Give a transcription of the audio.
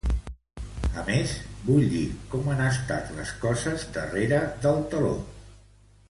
A més, vull dir com han estat les coses darrere del teló.